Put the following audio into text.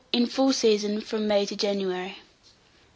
In full season from May to January.